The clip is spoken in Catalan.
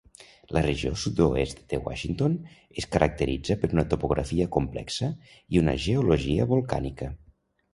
La regió sud-oest de Washington es caracteritza per una topografia complexa i una geologia volcànica.